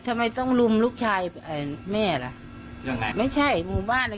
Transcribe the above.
ทำไมต้องลุมลูกชายเอ่อแม่ล่ะยังไงไม่ใช่หมู่บ้านเลย